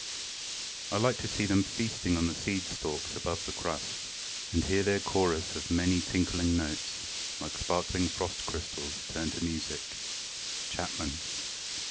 _) "I like to see them feasting on the seed stalks above the crust, and hear their chorus of merry tinkling notes, like sparkling frost crystals turned to music." —_Chapman.